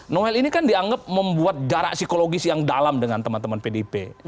noel ini kan dianggap membuat jarak psikologis yang dalam dengan teman teman pdip